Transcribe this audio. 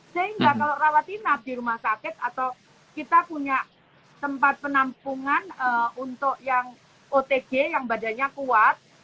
sehingga kalau rawat inap di rumah sakit atau kita punya tempat penampungan untuk yang otg yang badannya kuat